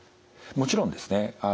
もちろんですね